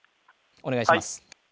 お願いします。